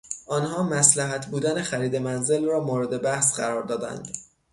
آنها مصلحت بودن خرید منزل را مورد بحث قرار دادند.